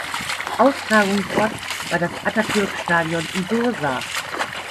Austragungsort war das Atatürk-Stadion in Bursa.